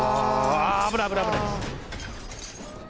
あ危ない危ない危ない！